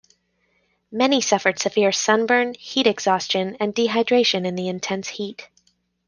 Many suffered severe sunburn, heat exhaustion and dehydration in the intense heat.